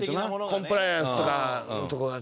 コンプライアンスとか。